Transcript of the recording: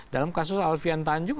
dalam kasus alfian tanjung